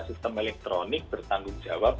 sistem elektronik bertanggung jawab